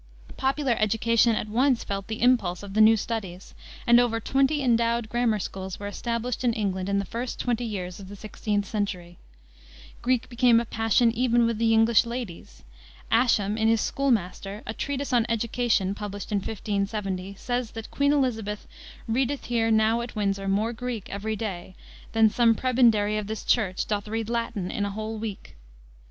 Popular education at once felt the impulse of the new studies, and over twenty endowed grammar schools were established in England in the first twenty years of the 16th century. Greek became a passion even with English ladies. Ascham in his Schoolmaster, a treatise on education, published in 1570, says, that Queen Elisabeth "readeth here now at Windsor more Greek every day, than some prebendarie of this Church doth read Latin in a whole week."